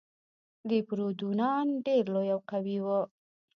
ديپروتودونان ډېر لوی او قوي وو.